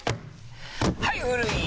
はい古い！